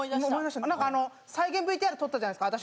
再現ＶＴＲ撮ったじゃないですか